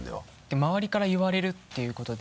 周りから言われるっていうことで。